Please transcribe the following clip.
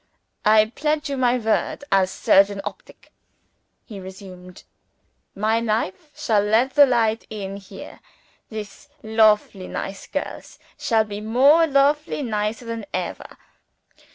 "I pledge you my word as surgeon optic," he resumed, "my knife shall let the light in here. This lofable nice girls shall be more lofable nicer than ever.